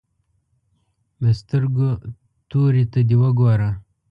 د سترګو تورې ته دې وګوره.